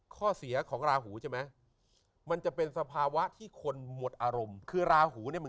ก่อน๔สิงหาคมครบเลย